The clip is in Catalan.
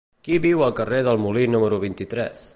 Qui viu al carrer del Molí número vint-i-tres?